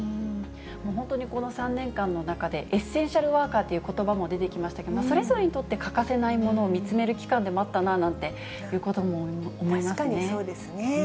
本当にこの３年間の中でエッセンシャルワーカーということばも出てきましたけれども、それぞれにとって欠かせないものを見つめる期間でもあったなとい確かにそうですね。